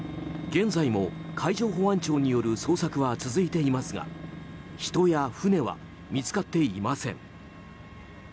現在も海上保安庁による捜索は続いていますが人や船は見つかっていません。